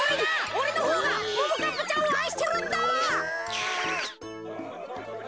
おれのほうがももかっぱちゃんをあいしてるんだ！